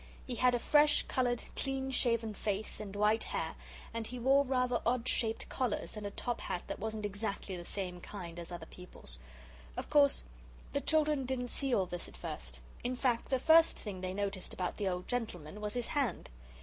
He had a fresh coloured, clean shaven face and white hair, and he wore rather odd shaped collars and a top hat that wasn't exactly the same kind as other people's. Of course the children didn't see all this at first. In fact the first thing they noticed about the old gentleman was his hand.